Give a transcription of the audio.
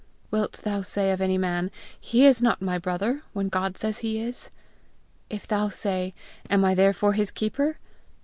Wilt thou say of any man, 'He is not my brother,' when God says he is! If thou say, 'Am I therefore his keeper?'